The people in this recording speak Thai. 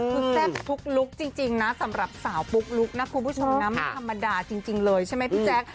คือแซ่บทุกลุคจริงนะสำหรับสาวปุ๊กลุ๊กนะคุณผู้ชมนะไม่ธรรมดาจริงเลยใช่ไหมพี่แจ๊ค